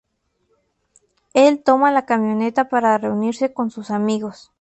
Él toma la camioneta para reunirse con sus amigos.